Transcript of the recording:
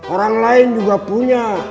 orang lain juga punya